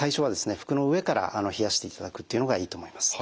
服の上から冷やしていただくっていうのがいいと思います。